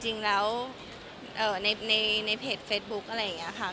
จริงแล้วในเพจเฟซบุ๊คอะไรอย่างนี้ค่ะ